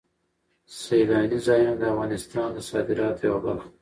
سیلاني ځایونه د افغانستان د صادراتو یوه برخه ده.